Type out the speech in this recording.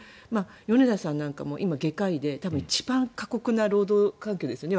米田さんなんかも今、外科医で一番過酷な労働環境ですよね。